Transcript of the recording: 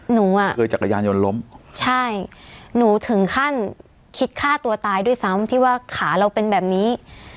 หนูอ่ะเคยจักรยานยนต์ล้มใช่หนูถึงขั้นคิดฆ่าตัวตายด้วยซ้ำที่ว่าขาเราเป็นแบบนี้